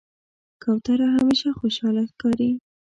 کوتره همیشه خوشحاله ښکاري.